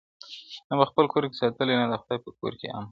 نه په خپل کور کي ساتلي نه د خدای په کور کي امن -